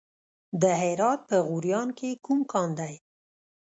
د هرات په غوریان کې کوم کان دی؟